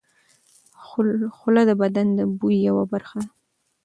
خوله د بدن د بوی یوه برخه ده.